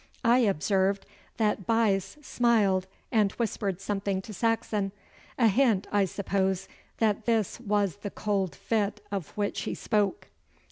I observed that Buyse smiled and whispered something to Saxon a hint, I suppose, that this was the cold fit of which he spoke.